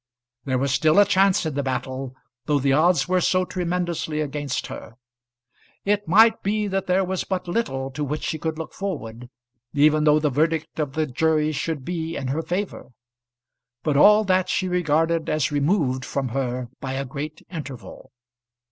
There was still a chance in the battle, though the odds were so tremendously against her. It might be that there was but little to which she could look forward, even though the verdict of the jury should be in her favour; but all that she regarded as removed from her by a great interval.